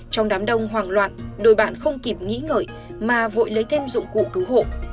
trong đám đông hoảng loạn đôi bạn không kịp nghĩ ngợi mà vội lấy thêm dụng cụ cứu hộ